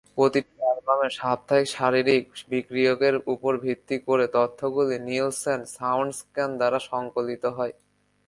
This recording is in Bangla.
প্রতিটি অ্যালবামের সাপ্তাহিক শারীরিক বিক্রয়ের উপর ভিত্তি করে তথ্যগুলি নিলসেন সাউন্ডস্ক্যান দ্বারা সংকলিত হয়।